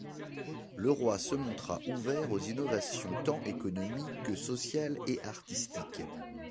Le roi se montra ouvert aux innovations tant économiques que sociales et artistiques.